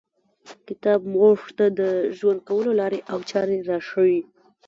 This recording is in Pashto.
کتاب موږ ته د ژوند کولو لاري او چاري راښیي.